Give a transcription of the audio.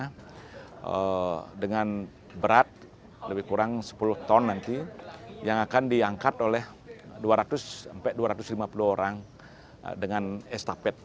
karena dengan berat lebih kurang sepuluh ton nanti yang akan diangkat oleh dua ratus sampai dua ratus lima puluh orang dengan estafet